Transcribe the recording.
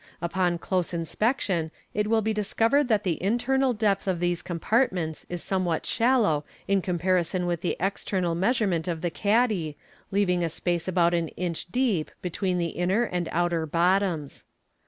Upon close inspection it will be discovered that the internal depth of these compartments is somewhat shallow in comparison with the external measurement of the caddy, Fig. 185. UdODERJSi MAGIC, 353 leaving a space about an inch deep between the inner and outer bottoms.